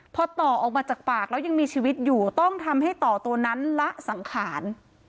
พอต่อออกมาจากปากแล้วยังมีชีวิตอยู่ต้องทำให้ต่อตัวนั้นละสังขาร